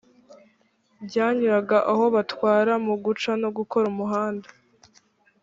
byanyuraga aho batwara mu guca no gukora umuhanda